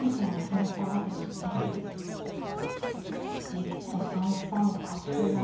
じっと３三角成。